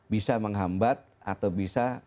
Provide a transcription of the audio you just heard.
bisa menghambat atau bisa